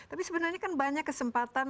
tapi sebenarnya kan banyak kesempatan